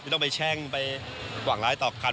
ต้องไปแช่งไปหวังร้ายต่อกัน